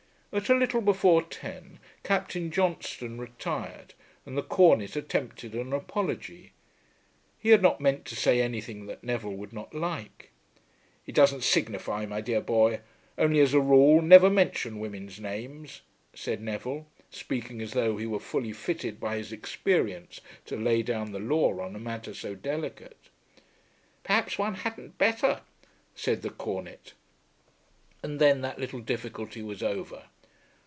At a little before ten Captain Johnstone retired, and the Cornet attempted an apology. He had not meant to say anything that Neville would not like. "It doesn't signify, my dear boy; only as a rule, never mention women's names," said Neville, speaking as though he were fully fitted by his experience to lay down the law on a matter so delicate. "Perhaps one hadn't better," said the Cornet, and then that little difficulty was over.